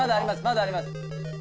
まだあります。